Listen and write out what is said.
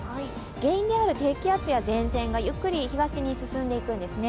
原因である低気圧や前線がゆっくり東に進んでいくんですね。